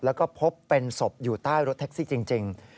แล้วก็พบเป็นศพอยู่ใต้รถแท็กซี่จริง